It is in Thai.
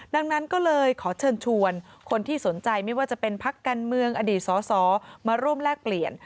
ดังนั้นก็เลยขอเชิญชวนคนที่สนใจไม่ว่าจะเป็นพักการเมืองอดีตสอสอมาร่วมแลกเปลี่ยน